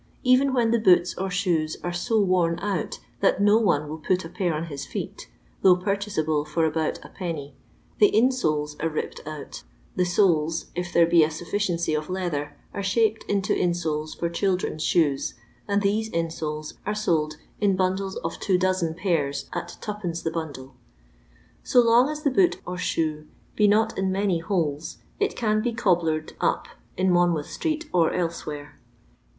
Even when the boots or shoes are so worn out that no one will put a pair on his feet, though purchaseable for about ]<{., the insoles are ripped out; the soles, if there be a sufficiency of leather, are shaped into insoles for children's shoes, and these insoles are sold in bundles of two dozen pairs at 2(2. the bundle. So long as the boot or shoe be not in many holes, it can be cobblered up in Monmouth street or elsewhere.